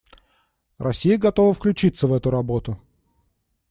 Россия готова включиться в эту работу.